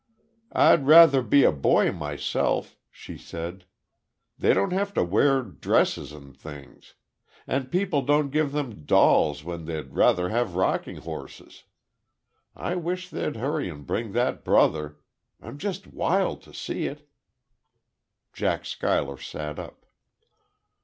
"I'd rather be a boy, myself," she said. "They don't have to wear dresses and things. And people don't give them dolls when they'd rather have rocking horses.... I wish they'd hurry and bring that brother. I'm just wild to see it!" Jack Schuyler sat up.